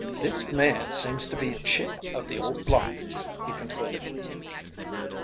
"This man seems to be a chip of the old block," he concluded.